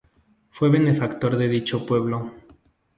Fue benefactor de dicho pueblo.